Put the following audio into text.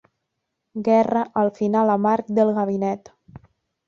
Guerra al final amarg del ganivet.